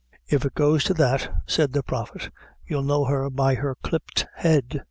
"If it goes to that," said the Prophet, "you'll know her by the clipped head.